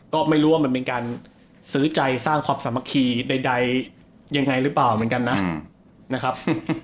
ก็ไม่รู้ว่ามันเป็นการซื้อใจสร้างความสามัคคีใดยังไงหรือเปล่าเหมือนกันนะครับ